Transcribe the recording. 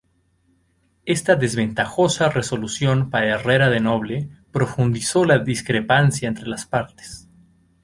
Esta desventajosa resolución para Herrera de Noble profundizó la discrepancia entre las partes.